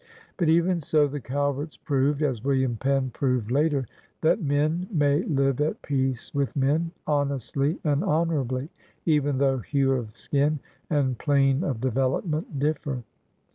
But even so, the CaJverts proved, as William Penn proved later, that men may live at peace with men, honestly and honorably, even though hue of skin and plane of development difiPer.